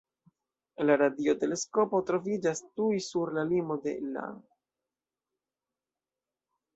La radioteleskopo troviĝas tuj sur la limo de lan.